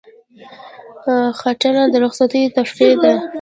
غره ختنه د رخصتیو تفریح ده.